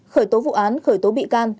khởi tố vụ án khởi tố bị can